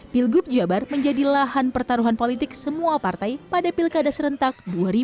pilgub jabar menjadi lahan pertaruhan politik semua partai pada pilkada serentak dua ribu dua puluh